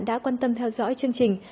đã quan tâm theo dõi chương trình